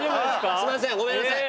すいませんごめんなさい。